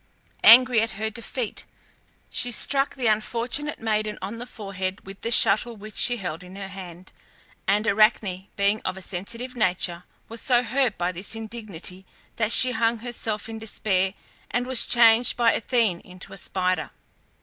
Angry at her defeat, she struck the unfortunate maiden on the forehead with the shuttle which she held in her hand; and Arachne, being of a sensitive nature, was so hurt by this indignity that she hung herself in despair, and was changed by Athene into a spider.